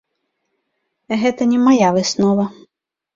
Гэта не мая выснова.